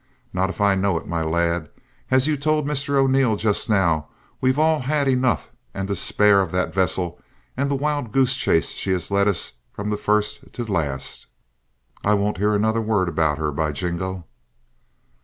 Not if I know it, my lad. As you told Mr O'Neil just now, we've all had enough and to spare of that vessel and the wild goose chase she has led us from first to last. I won't hear another word about her, by Jingo!"